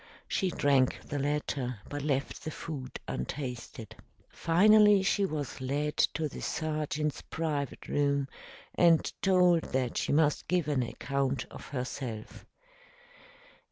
She drank the latter, but left the food untasted. Finally, she was led to the sergeant's private room and told that she must give an account of herself.